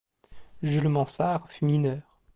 Jules Mansart fut mineur.